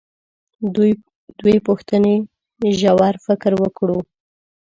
دوې پوښتنې ژور فکر وکړو.